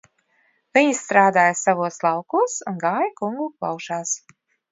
Viņi strādāja savos laukos un gāja kungu klaušās.